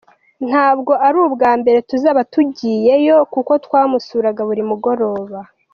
Ntabwo ari ubwa mbere tuzaba tugiyeyo kuko twamusuraga buri mugoroba.